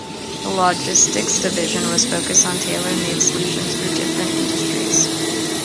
The logistics division was focused on tailor made solutions through different industries.